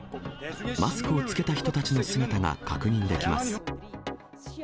マスクを着けた人たちの姿が確認できます。